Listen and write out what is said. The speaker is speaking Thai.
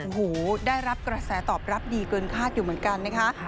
โอ้โหได้รับกระแสตอบรับดีเกินคาดอยู่เหมือนกันนะคะ